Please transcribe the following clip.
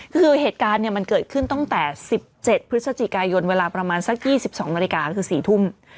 คือเหตุการณ์มันเกิดขึ้นตั้งแต่๑๗พฤศจิกายนเวลาประมาณสัก๒๒นาฬิกาคือ๔ทุ่ม